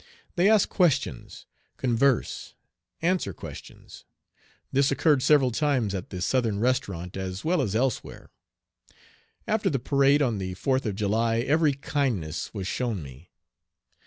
They ask questions, converse, answer questions. This occurred several times at the Southern Restaurant, as well as elsewhere. After the parade on the 4th of July, every kindness was shown me.